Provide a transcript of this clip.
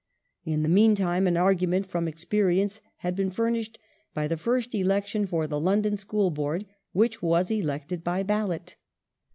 In the meantime an argument from experience had been furnished by the first election for the London School Board, which was elected by ballot.